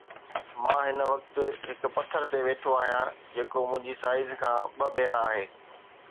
مان هن وقت هڪ پٿر تي ويٺو آهيان جيڪو منهنجي سائيز کان ٻه ڀيرا آهي